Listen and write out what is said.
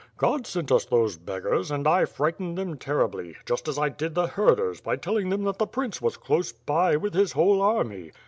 God sent us those beggars and I frightened them ter ribly, just as I did the herders by telling them that the prince was close by, with his whole army.